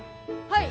はい！